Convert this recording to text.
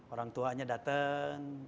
orang tuanya datang